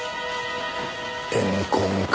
怨恨か。